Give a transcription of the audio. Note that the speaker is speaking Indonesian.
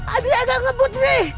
ada yang agak ngebut nih